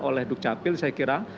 oleh duk capil saya kira